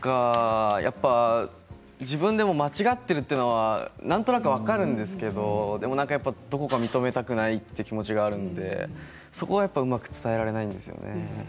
やっぱ自分でも間違っているというのは、なんとなく分かるんですけどでも何か、どこか認めたくないという気持ちがあるのでそこはうまく伝えられないですよね。